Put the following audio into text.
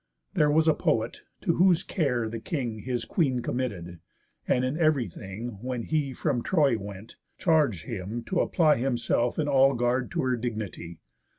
There was a poet, to whose care the king His queen committed, and in ev'ry thing, When he from Troy went, charg'd him to apply Himself in all guard to her dignity.